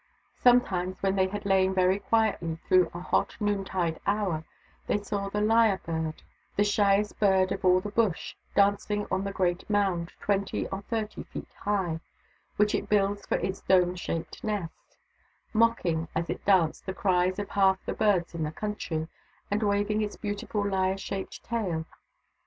Sometimes, when they had lain very quietly through a hot noon tide hour, they saw the lyre bird, the shyest bird of all the Bush, dancing on the great mound — twenty or thirty feet high — which it builds for its dome shaped nest ; mocking, as it danced, the cries of half the birds in the country, and waving its beautiful lyre shaped tail.